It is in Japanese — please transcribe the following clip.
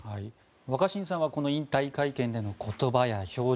若新さんはこの引退会見での言葉や表情